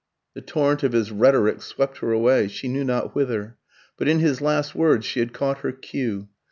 The torrent of his rhetoric swept her away, she knew not whither. But in his last words she had caught her cue.